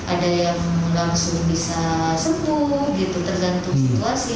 ada yang langsung bisa sembuh gitu tergantung situasi